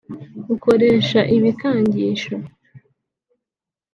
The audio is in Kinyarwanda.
Ukoresha ibikangisho